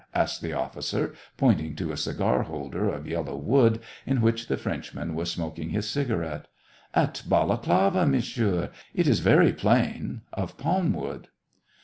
asks the officer, pointing to a cigar holder of yellow wood, in which the Frenchman was smoking his cigarette. "At Balaklava, Monsieur. It is very plain, of palm wood."